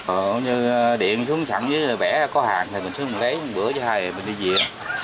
ở như điện xuống sẵn với vẻ có hàng thì mình xuống lấy một bữa với hai rồi mình đi về